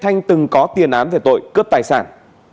nghiên án về tội cướp tài sản